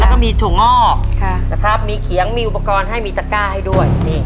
แล้วก็มีถั่วงอกนะครับมีเขียงมีอุปกรณ์ให้มีตะก้าให้ด้วย